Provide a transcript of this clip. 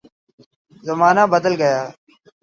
زمانہ بدل گیا ہے۔